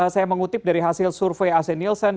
saya mengutip dari hasil survei ac nielsen